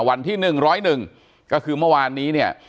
วันที่หนึ่งร้อยหนึ่งก็คือเมื่อวานนี้เนี่ย